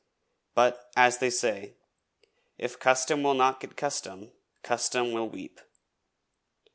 But, as they say, 'If custom will not get custom, custom will weep.'